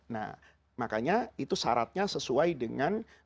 nah makanya itu syaratnya sesuai dengan